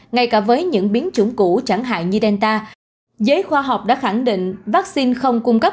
ngay cả với những biến chủng cũ chẳng hạn như delta giới khoa học đã khẳng định vaccine không cung cấp